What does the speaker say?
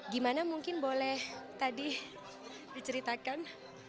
gimana mungkin boleh tadi diceritakan